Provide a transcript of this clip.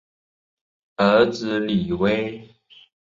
儿子李威。